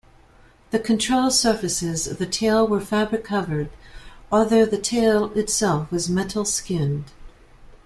The control surfaces of the tail were fabric-covered although the tail itself was metal-skinned.